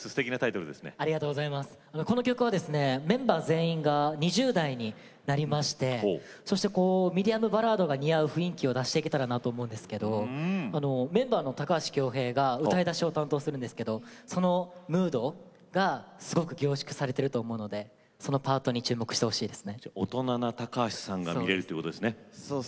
メンバー全員２０代になりましてミディアムバラードが似合う雰囲気を出していけたらと思うんですがメンバーの高橋が歌いだしを担当するんですけれどもそのムードが、すごく凝縮されてると思うのでそのパートに注目してもらいたいです。